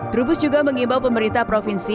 trubus juga mengimbau pemerintah provinsi